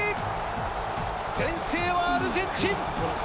先制はアルゼンチン。